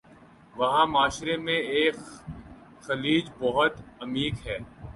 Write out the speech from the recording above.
وہاں معاشرے میں ایک خلیج بہت عمیق ہے